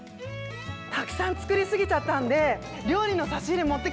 たくさん作り過ぎちゃったんで料理の差し入れ持ってきました。